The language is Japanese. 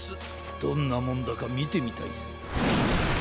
どんなもんだかみてみたいぜ。